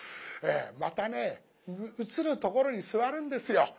またね映るところに座るんですよ。